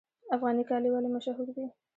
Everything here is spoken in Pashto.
افغاني کالي ولې مشهور دي؟